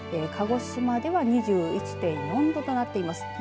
鹿児島では２１．４度となっています。